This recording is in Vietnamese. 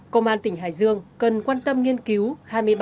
công an tỉnh hải dương cần quan tâm nghiên cứu hai mươi ba đề